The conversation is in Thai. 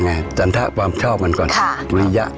อันนี้สันธวิริยะ